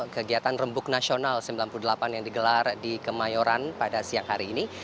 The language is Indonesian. kegiatan rembuk nasional sembilan puluh delapan yang digelar di kemayoran pada siang hari ini